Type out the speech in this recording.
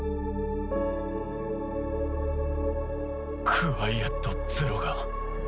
クワイエット・ゼロが。